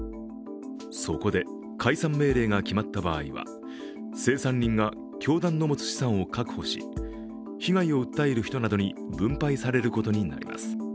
そこで、解散命令が決まった場合は清算人が教団の持つ資産を確保し、被害を訴える人などに分配されることになります。